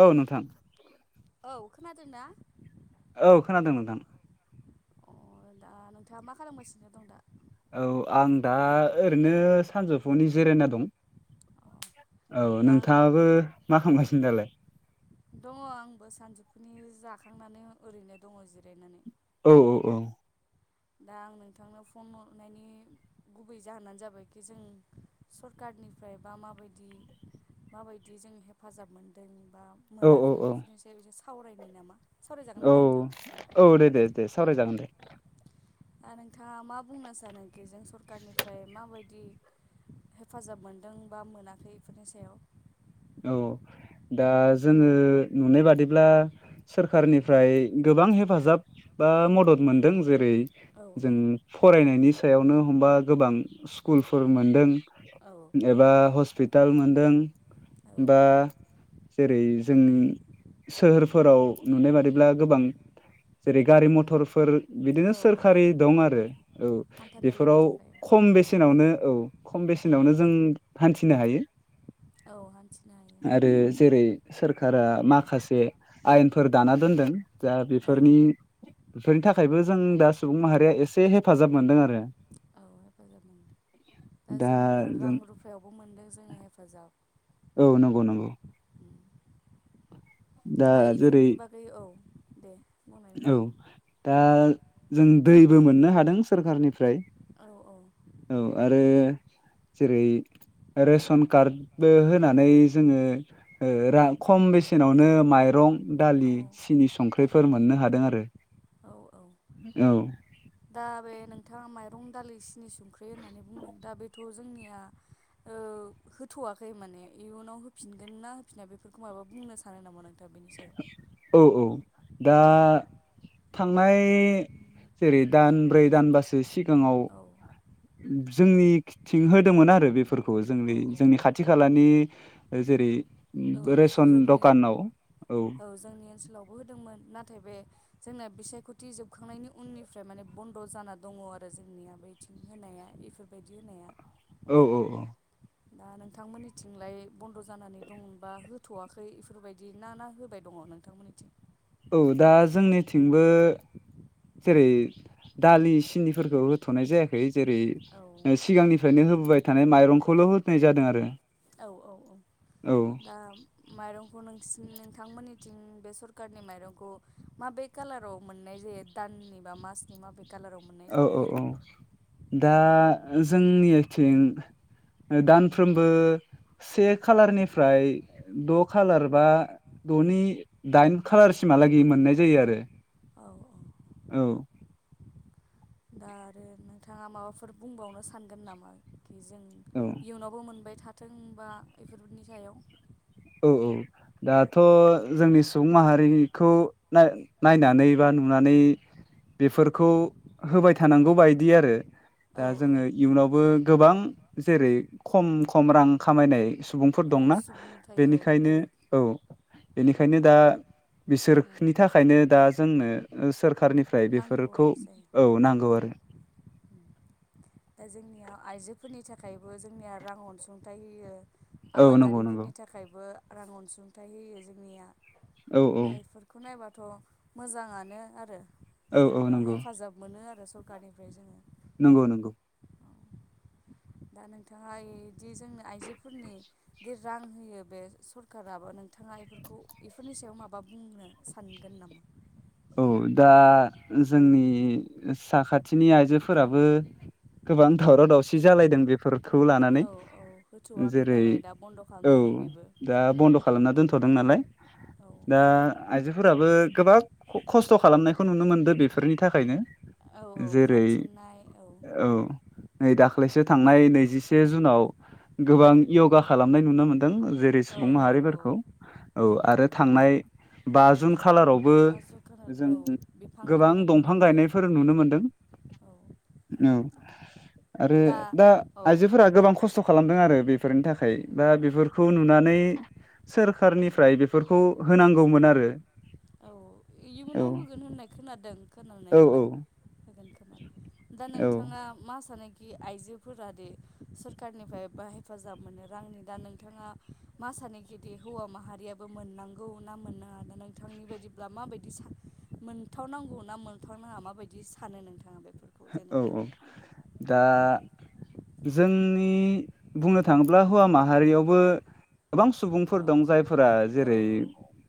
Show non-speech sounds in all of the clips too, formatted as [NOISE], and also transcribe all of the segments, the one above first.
औ नोंथां औ खोनादों ना? औ खोनादों नोंथां अ दा नोंथाङा मा खालामगासिनो दं दा? औ आं दा ओरैनो सानजौफुनि जिरायना दं। अ औ दा आं नोंथांङाबो मा खालामगासिनो दालाय? दंङ आंबो सानजौफुनि जाखांनानै ओरैनो दंङ जिरायनानै औ औ दा आं नोंथांनो फन हरनायनि गुबै जाहोनानो जाबायखि जों सरकार निफ्राय बा माबायदि माबायदि जों हेफाजाब मोनदों बा औ मोनाखै? औ बेफोरनिस एसे सावरायनो नामा? सावरायजागोन औ ना नोंथां औ दे दे दे सावरायजागोन दा दा नोंथाङा मा बुंनो सानो खिजों सरखारनिफ्राय माबायदि हेफाजाब मोनदों बा मोनाखै बेफोरनि सायाव औ दा जोंङो नुनाय बादिब्ला सोरखारनिफ्राय गोबां हेफाजाब बा मदद मोनदों जेरै औ जों फरायनायनि सायावनो हमबा गोबां स्कुलफोर मोनदों औ एबा हस्पिटाल मोनदों औ बा जेरै- जोंनि सोहोरफोराव नुनाय बादिब्ला गोबां जेरै- गारि मथरफोर बिदिनो औ औ सोरखारि दं आरो औ हान्था मेलानि बेफोराव थाखाय खम बेसेनावनो औ खम बेसेनावनो जों हान्थिनो हायो। औ हान्थिनो हायो आरो जेरै सोरखारा माखासे आयेनफोर दाना दोनदों दा औ बेफोरनि बेफोरनि थाखायबो जों दा सुबुं माहारिया एसे हेफाजाब मोनदों आरो औ हेफाजाब मोनदों दा जोंनिया रां जों रुफायावबो मोनदों जोंङो हेफाजाब औ नोंगौ नोंगौ दा जेरै इफोरनि बागै औ दे बुंनाय औ नोंथां दा जों दैबो मोननो हादों सोरखारनिफ्राय औ औ औ आरो जेरै रेसन कार्डबो होनानै ओं जोंङो ओ रा खम बेसेनावनो माइरं रं औ दालि, सिनि, दा संख्रिफोर मोननो हादों आरो औ औ औ दा बे नोंथाङा माइरं दालि सिनि संख्रि होननानै बुंदों दा बेथ' जोंनिया ओ होथ'वाखै माने इयुनाव होफिनगोन ना होफिननाय बेफोरखौ माबा बुंनो सानो नामा नों दा बेनि सायाव औ औ दा थांनाय जेरै दान ब्रै दानबासो सिगांङाव औ जोंनिखिथिं होदोंमोन आरो बेफोरखौ जों औ जोंनि खाथि खालानि [UNINTELLIGIBLE] औ जोंनि दखानाव औ जोंनि ओनसोलावबो होदोंमोन ना नाथाय बे जोंना बिसायख'थि जोबखांनायनि उननिफ्राय माने बन्द' जाना दंङ आरो जोंनिया बिदि होनाया बेफोरबायदि होनाया औ औ औ। दा नोंथांमोननिथिंलाय बन्द जानानै दंमोनबा हो। थवाखै बेफोरबायदि ना ना होबाय दंङ नोंथांमोननिथिं। औ दा जोंनिथिंबो। जेरै दालि सिनिफोरखौ होथनाय जायाखै जेरै औ सिगांनिफ्रायनो। होबोबाय थानाय माइरंखौल होनाय जादों आरो। औ औ औ औ दा माइरंखौ नोंसिनि नों। थांमोननिथिं बे सरखारनि माइरंखौ माबे कालाराव मोननाय जायो दाननि बा मासनि माबे। कालाराव मोननाय औ जायो औ औ ओरैनो। दा जोंनिथिं दानफ्रोमबो। से खालारनिफ्राय द' खालार बा द'नि दाइन औ खालारसिम। मोननाय जायो आरो। औ औ। औ। दा आरो नोंथाङा माबाफोर बुंबावनो सानगोन नामा कि जों औ इयुनावबो मोनबाय थानो। थोंबा बेफोरनि सायाव। औ औ दाथ' जोंनि सुबुं माहारिखौ नायनानै बा। नुनानै बेफोरखौ होबाय औ थानांगौ बायदि आरो। दा औ औ जोङो इयुनावबो गोबां जेरै खम खम रां खामायनाय। सुबुंफोर औ दंना सुबुंथाय औ बेनिखायनो गोरिब औ बेनिखायनो दा। बिसोरनि थाखायनो दा जोंनो सोरखारनि। फ्राय नांगौ बेफोरखौ आरो जाय औ नांगौ आरो। दा जोंनिया आइजोफोरनि थाखायबो जोंनिया रां अनसुंथाइ होयो। औ नंगौ नंगौ आबादारिफोरनि थाखायबो रां अनसुंथाइ होयो जोंनिया। औ औ दा बेफोरखौ नायबाथ' मोजाङानो आरो। औ औ जेनेबा नंगौ हेफाजाब मोनो आरो सरखारनिफ्राय जोंओ। नंगौ नंगौ। दा नोंथाङा इदि जोंनो आइजोफोरनि दि रां होयो बे सरखाराबो नों। थाङा बेफोरखौ बेफोरनि सायाव माबा बुंनो सानगोन नामा। औ दा जोंनि साखाथिनि आइजोफोराबो। गोबां दावराव दावसि जालायदों बेफोर। खौ लानानै औ औ होथ'वाखै जेरै नालाय दा बन्द' औ खालामना दं बेबो। दा बन्द' खालामना दोनथ'। दों नालाय औ दा आइजोफोराबो गोबां। खस्थ' खालामनायखौ नुनो मोनदों बेफोरनि थाखायनो। औ औ जेरै खारथिंनाय औ नै दाखाल। दाख्लैसो थांनाय नैजिसे जुनाव। औ गोबां यगा खालामनाय नुनो मोनदों जेरै औ सुबुं औ औ माहारिफोरखौ। औ आरो थांनाय बा जुन खालारावबो। बा जखाना जों औ बिफां गोबां गायनाय नुनो दंफां मोनदों गायनायफोर नुनो मोनदों। औ औ आरो दा औ आइजोफोरा गोबां खस्थ'। खालामदों आरो बेफोरनि थाखाय दा बेफोरखौ नुनानै। सोरखारनिफ्राय बेफोरखौ होनांगौमोन आरो। औ औ इयुनाव होगोन होननाय खोनादों औ खोनानायालाय होगोन। दा औ नोंथाङा मा। सानोखि आइजोफोरादि सरखारनिफ्राय बा हेफाजाब मोनो रांनि दा नोंथाङा। मा सानोखेदि हौवा माहारियाबो मोननांगौ ना मोननांआ ना नोंथांनि बायदिब्ला माबायदि। बिसान मोनथावनांगौ ना मोनथावनाङा माबायदि सानो नोंथाङा बे। औ औ दा। जोंनि बुंनो थाङोब्ला हौवा माहारियावबो गोबां सुबुंफोर औ दं जायफोर। फोरा औ जेरै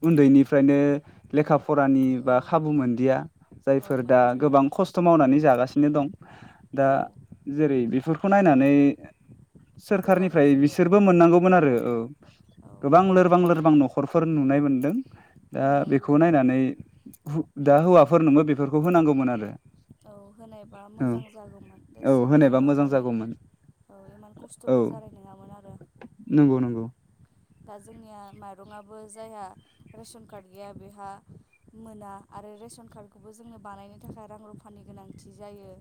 उन्दैनिफ्रायनो लेखा फरानि औ बा खाबु मोनदिया। औ जायफोर दा मोनदिया गोबां खस्थ' मावनानै जागासि नो दं दा औ जेरै बेफोरखौ नायनानै होबा सोरखारनिफ्राय होजायो आरो बिसोरबो मोननांगौमोन आरो औ। औ गोबां लोरबां लोरबां न'खरफोर नुनाय मोनदों दा औ बेखौ नायनानै हु दा हौवाफोरनोबो बेफोरखौ होनांगौमोन आरो। औ होनायबा औ मोजां जागौमोन दा औ होनायबा सोलिनायाव मोजां माने जागौमोन औ इमान औ खस्थ'बो जानाय नङामोन आरो। नंगौ नंगौ दा जोंनिया माइरंआबो जायहा रेसन कार्ड गैया बेहा मोना आरो रेशन कार्डखौबो जोंनो बानायनो थाखाय रां रुफानि गोनांथि जायो।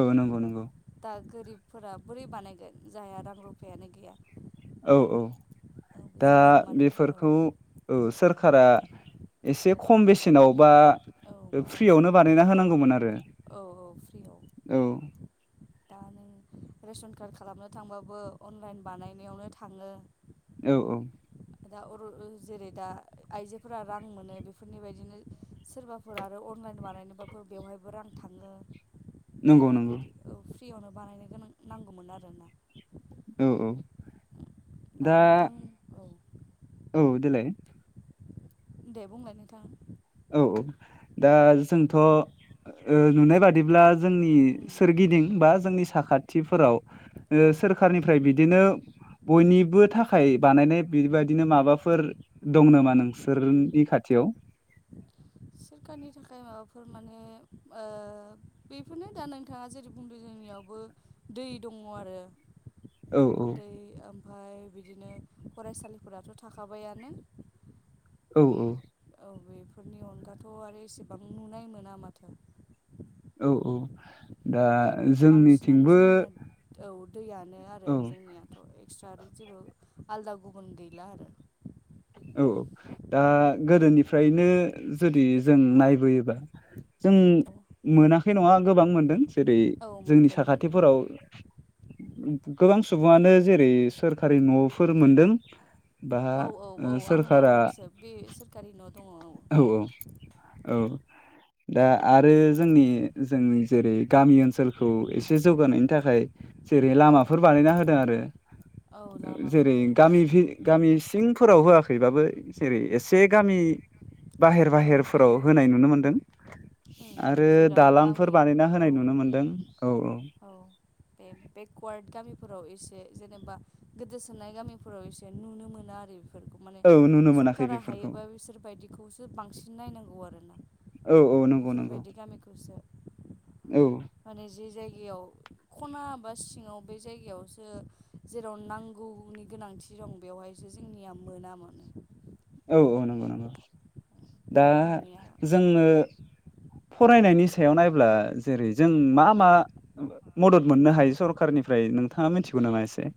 ओ नोंगौ नोंगौ। दा गोरिबफोरा बोरै बानायगोन जायहा रां रुफायानो गैया। औ औ औ दा जेराव मान औ बेफोरखौ ओ सोर रखारा एसे खम बेसेनाव बा औ बा फ्रियावनो बानायना औ होनांगौमोन आरो। औ औ फ्रिआव औ दा नों रेसन कार्ड खालामनो थांबाबो अनलाइन बानायनायावनो थाङो। औ औ। दा अरु जेरै दा आइजोफोरा रां मोनो बेफोरनि बायदिनो सोरबाफोर आरो अ लाइन बानायनोबाबो बेवहायबो रां थाङो दा नंगौ नंगौ बेफोरखौ फ्रियावनो बानायनो गोनां नांगौमोन आरोना। औ औ। दा नोंथां औ औ देलाय दे बुंलाय नोंथां। औ दा जोंथ' ओ नुनाय बादिब्ला जोंनि उम सोरगिदिं बा जोंनि साखाथिफोराव औ ओ सोरखारनिफ्राय बिदिनो बयनिबो थाखाय बानायनाय बेबायदिनो माबाफोर दं नामा नोंसोरनि खाथि याव सोरखारनि थाखाय माबाफोर माने ओ बैफोरनो दा नोंथाङा जेरै बुंदों जोंनियाव बो दै दङ आरो औ दै ओमफाय बिदिनो फरायसालिफोराथ' थाखाबायानो। औ औ। औ बेफोरनि अनगाथ' आरो इसेबां नुनाय मोना माथो। औ औ दा बांसिनानो जोंनिथिंबो जोंनिया औ दैयानो आरो औ जोंनियाथ एक्सट्रा आरो जेबो आलदा गुबुन गैला आरो। औ औ दा गोदोनिफ्रायनो जुदि जों नायबोयोबा जों मोनाखै नङा गोबां मोनदों जेरै औ जोंनि मोनदों मोनदों साखाथिफोराव गोबां सुबुङानो जेरै सोरखारि न'फोर मोनदों बा औ औ औ आं सोरखारा बावदोंसो बे सोरखारि न' दङ औ। औ। दा आरो जोंनि जोंनि जेरै गामि ओनसोलखौ एसे जौगानायनि थाखाय जेरै औ लामाफोर बानायना होदों आरो औ जेरै लामाफोराव गामि भि गामि सिं फोराव होआखैबाबो एसे ओरै एसे गामि बाहेर औ बे बाहेरफोराव होनाय नुनो मोनदों। उम आरो जेराव दालांफोर गामि बानायना औ होनाय नुनो मोनदों औ औ। बे बेकवार्ड गामिफोराव एसे जेनेबा गोदोसोनाय गामिफोराव एसे नुनो मोनो आरो। बेफोरखौ माने औ औ नुनो मोनाखै सरकारा बेफोरखौ हायोबा बिसोरबायदिखौसो बांसिन नायनांगौ आरोना। औ औ नंगौ। नंगौ बेफोरबायदि गामिखौसो औ माने जि जायगायाव खना बा सिङाव बे जायगायावसो जेराव नांगौनि गोनांथि दं बेवहाय जोंनिया मोनामोन। औ औ नंगौ नंगौ दा जोंनिया औ जोंनो [INAUDIBLE] फरायनायनि सायाव नायब्ला जेरै जों मा मा मदद मोननो हायो सरखारनिफ्राय। नोंथाङा मिथिगौ नामा एसे?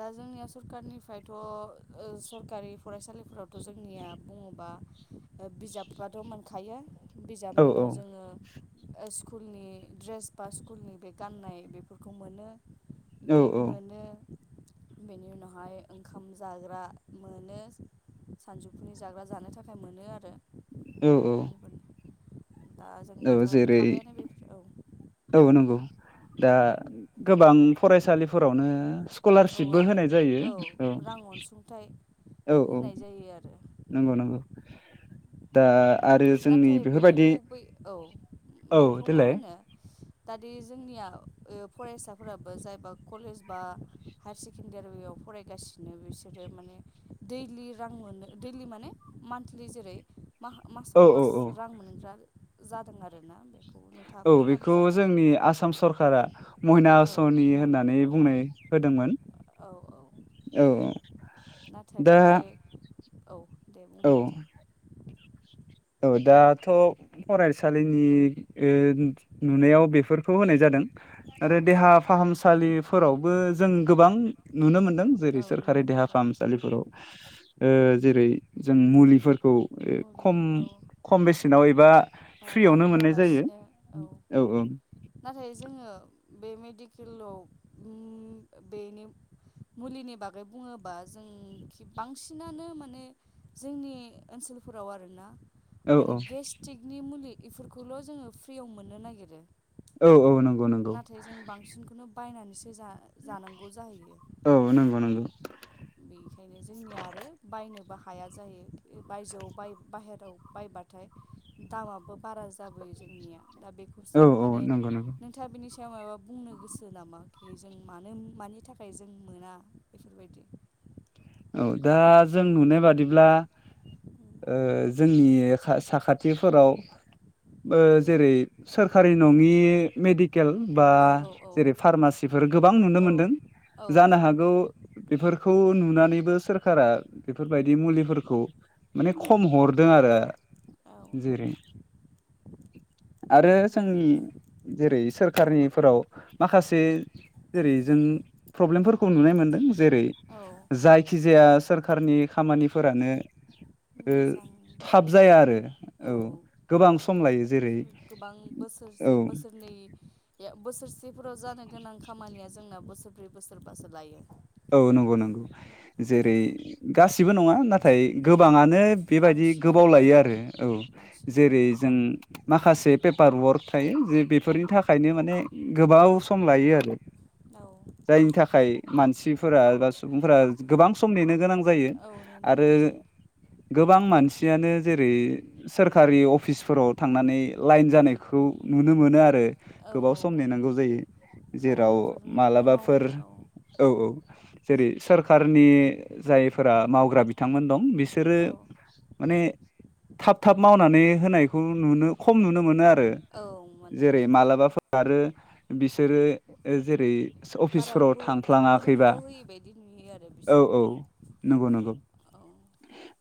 दा जोंनिया सरखारनिफ्रायथ' ओ सरकारि फरायसालि फोरावथ' जोंनिया बुङोबा बिजाबफोराथ' मोनखायो। औ बिजाबनि उनाव जोङो ओ स्कुलनि ड्रेस बा स्कुलनि बे गाननाय बेफोरखौ मोनो। औ बेग औ मोनो। बेनि उनावहाय ओंखाम जाग्रा मोनो। सानजौफुनि जाग्रा जानो थाखाय मोनो आरो। औ - औ। ओ दा औ जोंनियाथ' जेरै थाबायानो बेफोर औ। औ नंगौ दा गोबां फरायसालिफोरावनो औ स्क'लारशिपबो आरो होनाय जायो औ। रां अनसुंथाइ औ - औ होनाय जायो आरो नंगौ -नंगौ दा आरो जोंनि नाथाय बेखौ बेफोरबायदि बै औ औ बेखौ मा देलाय होनो दा जोंनिया फरायसाफोराबो जायबा कलेज बा हायार सेकेण्डारियाव फरायगासिनो बिसोरो माने दैलि रां मोनो दैलि माने मान्थलि जेरै औ मासाव औ मास औ रां मोनग्रा जादों आरोना बे। [INAUDIBLE] औ बेखौ जोंनि आसाम सरखारा मयना औ आसनि मोनो होननानै औ बुंनाय होदोंमोन। औ औ औ - औ। नाथाय दा बेवहाय औ दे बुं औ नोंथां औ दाथ' फरायसालिनि ओ नुनायाव बेफोरखौ होनाय जादों। औ आरो देहा फाहामसालिफोरावबो जों गोबां नुनो मोन दों औ जेरै सोरखारि नुनो देहा मोनदों फाहामसालिफोराव औ जेरै जों मुलिफोरखौ ओ मुलि खम औ - खम बेसेनाव एबा बा रां फ्रियावनो मोननाय जायो होआलासिनो औ नाथाय जोङो बे मे दि कल' बेनो मुलिनि बागै बुङोबा जों बांसिनानो माने जोंनि ओनसोल फोराव आरो ना? औ माने गेस्टिकनि मुलि इफोरखौल' जोङो फ्रियाव मोननो नागिरो। औ -औ नंगौ -नंगौ। नाथाय जों बांसिनखौनो बायनानैसो जा जानांगौ जाहैयो औ नंगौ - नंगौ। बेखायनो जोंनिया आरो बायनो बा हाया जायो बायजोआव बाहेराव बायबाथाय। दामाबो बारा जाबोयो जोंनिया। दा बेखौसो औ आं औ माने नंगौ नंगौ नोंथाङा बिनि सायाव मायबा बुंनो गोसो नामा? जों मानो मानि थाखाय जों मोना बेफोरबायदि? औ दा जों नुनाय बादिब्ला। जोंनि साखाथिफोराव जेरै सोरखारि नङि मेडि केल बा औ औ औ जेरै फार्मासिफोर गोबां नुनो औ मोनदों। औ जानो हागौ बेफोराव बेफोरखौ नु बो सोरखारा बेफोरबायदि मुलिफोरखौ माने खम हरदों आरो। औ जेरै [UNINTELLIGIBLE] आरो बे जोंनि जेरै सोरखारनिफोराव माखासे जेरै जों प्रब्लेमफोरखौ नुनाय मोनदों जेरै औ जाय जायखिजाया सोरखारनि खामानिफोरानो ओ मोजां थाब जाया आरो औ गोबां सम लायो जेरै से औ बोसोरनि बोसोरसेफोराव जानो गोनां खामानिया जोंना बोसोरब्रै बोसोरबासो लायो औ नंगौ नंगौ जेरै गासिबो नङा नाथाय गोबाङानो ओत बेबायदि बांसिनानो गोबाव औ लायो आरो औ बांसिनानो जेरै लायो जों माखासे पेपार वर्क थायो जे बेफोरनि उम थाखायनो माने गोबाव सम लायो आरो औ जायनि थाखाय मानसि फोर बा सुबुंफोरा गोबां सम नेनो गोनां जायो औ नेनो आरो गोनां जायो गोबां मानसियानो जेरै सोरखारि अफिसफोराव थांनानै लाइन उम जानायखौ नु नुनो मोनो आरो औ गोबाव औ सम औ नेनांगौ जायो जेराव खामानिफोर मालाबाफोर मावनोबा औ औ औ जेरै सोरखारनि जायफोरा मावग्रा बिथांमोन दं बिसोरो औ माने थाब थाब मावनानै होनायखौ नुनो खम नुनो मोनो आरो आरो औ माने जेरै मालाबाफोर आरो बिसोरो जेरै अफिसफोराव थांफ्लाङाखैबा फैयिबायदि नुयो आरो औ औ बिसिनिखौ नंगौ नंगौ औ